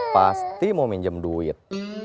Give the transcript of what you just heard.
pasti mau pinjam duit